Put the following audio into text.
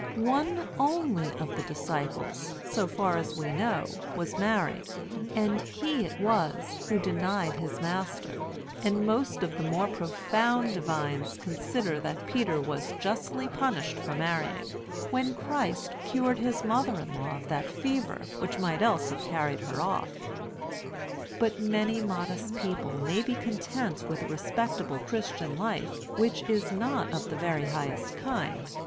One only of the disciples, so far as we know, was married; and he it was who denied his master; and most of the more profound divines consider that Peter was justly punished for marrying, when Christ cured his mother in law of that fever which might else have carried her off. But many modest people may be content with a respectable Christian life which is not of the very highest kind.